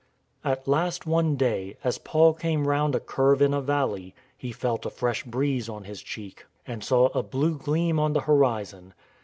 At last one day, as Paul came round a curve in a valley, he felt a fresh breeze on his cheek and saw a blue gleam on the horizon.